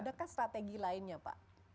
adakah strategi lainnya pak